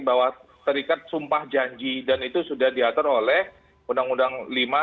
bahwa terikat sumpah janji dan itu sudah diatur oleh undang undang lima dua ribu empat belas